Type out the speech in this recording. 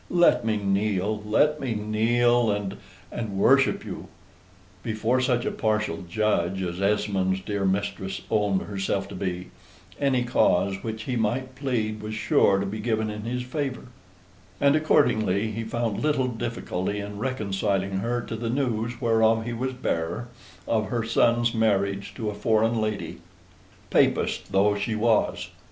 "Let me kneel let me kneel, and and worship you." Before such a partial judge as Esmond's dear mistress owned herself to be, any cause which he might plead was sure to be given in his favor; and accordingly he found little difficulty in reconciling her to the news whereof he was bearer, of her son's marriage to a foreign lady, Papist though she was.